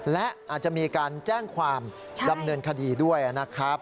และอาจจะมีการแจ้งความดำเนินคดีด้วยนะครับ